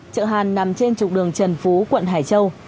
chợ hàn nằm trên trục đường trần phú quận hải châu